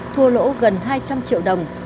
thua lỗ gần hai trăm linh triệu đồng